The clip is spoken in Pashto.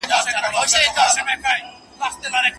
مشترک حقوق باید هېر نه سي.